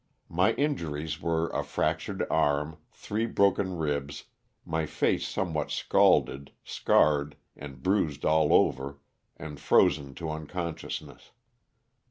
My injuries were a fractured arm, three broken ribs, my face somewhat scalded, scarred and bruised all over, and frozen to unconsciousness.